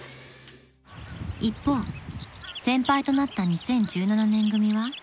［一方先輩となった２０１７年組は？］